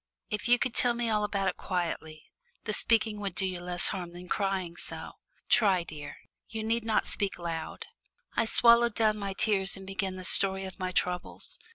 If you could tell me all about it quietly, the speaking would do you less harm than crying so. Try, dear. You need not speak loud." I swallowed down my tears and began the story of my troubles.